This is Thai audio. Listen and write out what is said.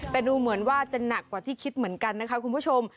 แต่ดูเหมือนว่าจะหนักกว่าที่คิดเหมือนกันนะคะคุณผู้ชม